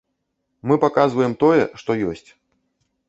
Мы паказваем тое, што ёсць.